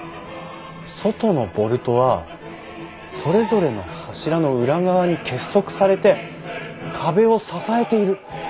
外のボルトはそれぞれの柱の裏側に結束されて壁を支えている。